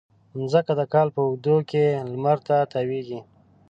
مځکه د کال په اوږدو کې لمر ته تاوېږي.